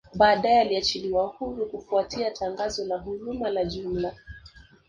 Baadae aliachiliwa huru kufuatia tangazo la huruma la jumla